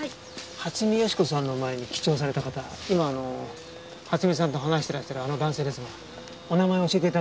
初見芳子さんの前に記帳された方今初見さんと話してらっしゃるあの男性ですがお名前を教えて頂けませんか？